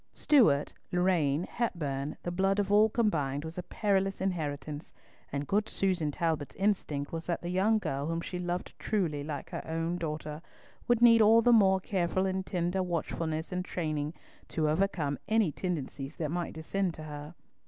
Stewart, Lorraine, Hepburn, the blood of all combined was a perilous inheritance, and good Susan Talbot's instinct was that the young girl whom she loved truly like her own daughter would need all the more careful and tender watchfulness and training to overcome any tendencies that might descend to her.